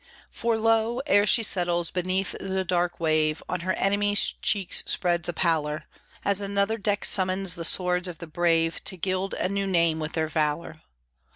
For lo! ere she settles beneath the dark wave On her enemies' cheeks spreads a pallor, As another deck summons the swords of the brave To gild a new name with their valor.